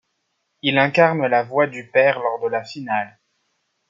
Il incarne la voix du père lors de la finale.